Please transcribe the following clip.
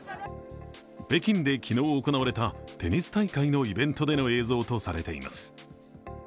北京で昨日行われたテニス大会のイベントでの映像とされています。